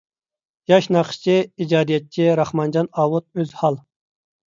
ياش ناخشىچى، ئىجادىيەتچى راخمانجان ئاۋۇت ئۆزھال.